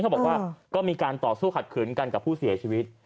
เขาบอกว่าก็มีการต่อสู้ขัดขืนกันกับผู้เสียชีวิต